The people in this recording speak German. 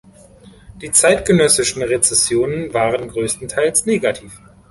Die zeitgenössischen Rezensionen waren größtenteils negativ.